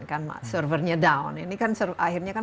kan servernya down ini kan akhirnya kan